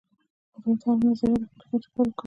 قدرت هره نظریه د خپل ګټې لپاره کاروي.